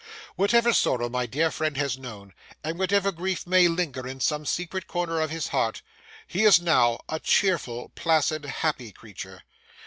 Whatever sorrow my dear friend has known, and whatever grief may linger in some secret corner of his heart, he is now a cheerful, placid, happy creature.